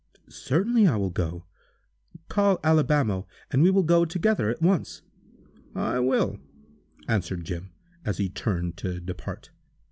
"Certainly I will go. Call Alibamo, and we will go together, at once!" "I will," answered Jim, as he turned to depart.